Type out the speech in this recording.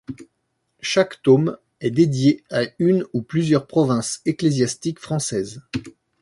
Chaque tome est dédié à une ou plusieurs provinces ecclésiastiques françaises.